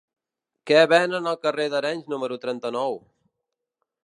Què venen al carrer d'Arenys número trenta-nou?